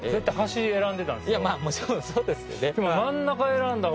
もちろんそうですよね。